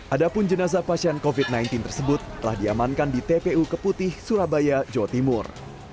adapun jenazah pasien covid sembilan belas tersebut telah diamankan di tpu keputih surabaya jawa timur